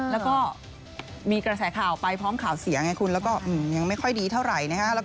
แล้วก็มีกระแสข่าวไปพร้อมข่าวเสียไงคุณแล้วก็ยังไม่ค่อยดีเท่าไหร่นะฮะ